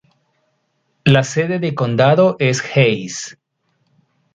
La sede de condado es Hays.